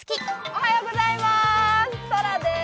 おはようございます。